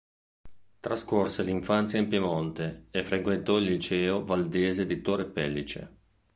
Trascorse l'infanzia in Piemonte e frequentò il Liceo Valdese di Torre Pellice.